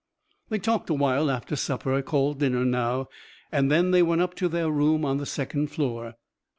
They talked a while after supper, called dinner now, and then they went up to their room on the second floor.